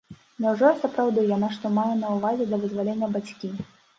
Няўжо і сапраўды яна што мае на ўвазе да вызвалення бацькі?